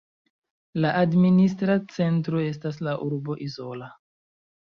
La administra centro estas la urbo Izola.